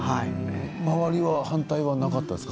周りは反対はなかったですか？